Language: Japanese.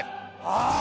ああ！